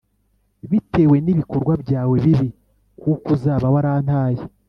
bitewe n’ibikorwa byawe bibi, kuko uzaba warantaye.